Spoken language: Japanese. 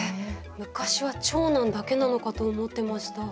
昔は長男だけなのかと思ってました。